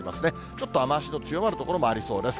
ちょっと雨足の強まる所もありそうです。